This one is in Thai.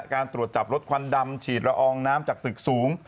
การตรวจจับรถควันดำฉีดละอองน้ำจากตึกสูง